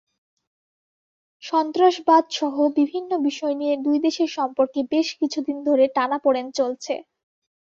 সন্ত্রাসবাদসহ বিভিন্ন বিষয় নিয়ে দুই দেশের সম্পর্কে বেশ কিছুদিন ধরে টানাপোড়েন চলছে।